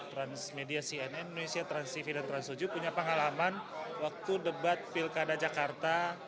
transmedia cnn indonesia transtv dan trans tujuh punya pengalaman waktu debat pilkada jakarta